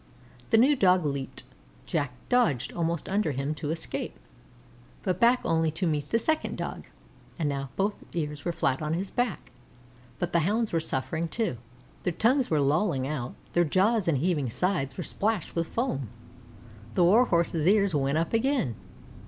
The new Dog leaped. Jack dodged almost under him to escape, and back only to meet the second Dog; and now both ears were flat on his back. But the Hounds were suffering too. Their tongues were lolling out; their jaws and heaving sides were splashed with foam. The Warhorse's ears went up again.